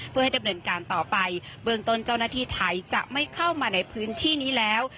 เพื่อให้ดำเนินการต่อไปเบื้องต้นเจ้าหน้าที่ไทยจะไม่เข้ามาในพื้นที่นี้แล้ว